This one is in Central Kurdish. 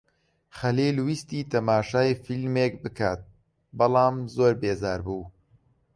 خەلیل ویستی تەماشای فیلمێک بکات بەڵام زۆر بێزار بوو.